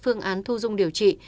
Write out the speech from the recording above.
phương án thu dung điều trị